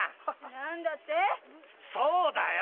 何だって⁉そうだよ！